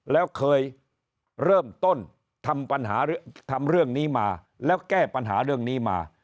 แล้วเคยเริ่มต้นทำปัญหาทำเรื่องนี้มาแล้วแก้ปัญหาเรื่องนี้มา